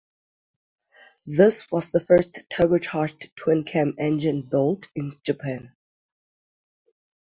This was the first turbocharged twin-cam engine built in Japan.